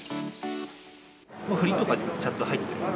振りとかちゃんと入ってる？